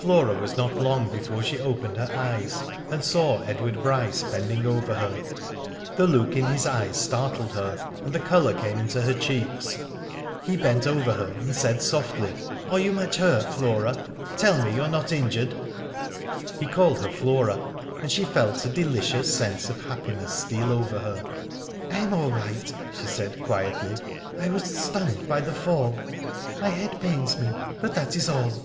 Flora was not long before she opened her eyes, and saw Edward Bryce bending over her. The look in his eyes startled her, and the colour came into her cheeks. He bent over her and said softly ;" Are you much hurt. Flora ? Tell me you are not injured?" He called her Flora, and she felt a delicious sense of happiness steal over her. *' I am all right/' she said, quietly. " I was stunned by the fall. My head pains me, but that is all."